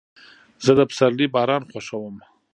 زه د پسرلي باران خوښوم.